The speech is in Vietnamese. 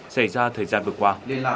xảy ra thời gian vừa qua